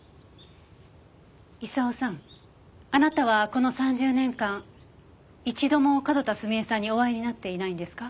功さんあなたはこの３０年間一度も角田澄江さんにお会いになっていないんですか？